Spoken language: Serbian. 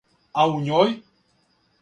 А у њој?